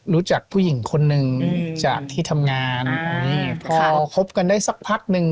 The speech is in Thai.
รู้จักผู้หญิงคนหนึ่งจากที่ทำงานนี่พอคบกันได้สักพักหนึ่ง